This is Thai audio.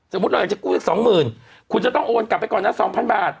สมมุติเราอยากจะกู้สักสองหมื่นคุณจะต้องโอนกลับไปก่อนนะสองพันบาท